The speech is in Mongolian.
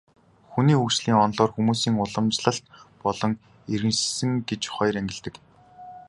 Хүний хөгжлийн онолоор хүмүүсийг уламжлалт болон иргэншсэн гэж хоёр ангилдаг.